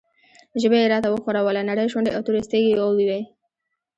ژبه یې راته وښوروله، نرۍ شونډې او تورې سترګې یې وې.